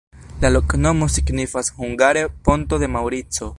La loknomo signifas hungare: ponto de Maŭrico.